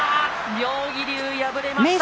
妙義龍、敗れました。